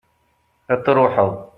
ad truḥeḍ